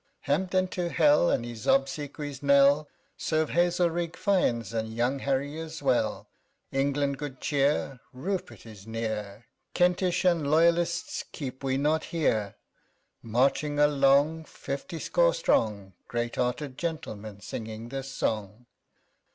_ Hampden to hell, and his obsequies' knell Serve Hazelrig, Fiennes, and young Harry as well! 15 England, good cheer! Rupert is near! Kentish and loyalists, keep we not here, CHORUS. Marching along, fifty score strong, _Great hearted gentlemen, singing this song?